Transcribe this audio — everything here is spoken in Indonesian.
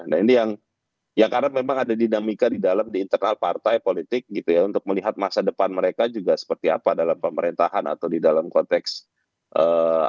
nah ini yang ya karena memang ada dinamika di dalam di internal partai politik gitu ya untuk melihat masa depan mereka juga seperti apa dalam pemerintahan atau di dalam konteks ini